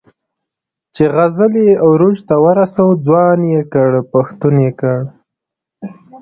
چې غزل یې عروج ته ورساوه، ځوان یې کړ، پښتون یې کړ.